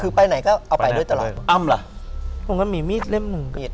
คือไปไหนก็เอาไปด้วยตลอด